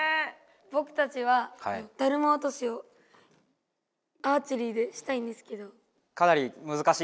ぼくたちはだるま落としをアーチェリーでしたいんですけど。